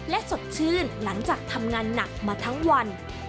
และสดชื่นหลังจากทำงานหนักมาทั้งวัน